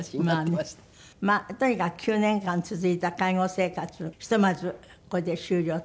まあとにかく９年間続いた介護生活ひとまずこれで終了。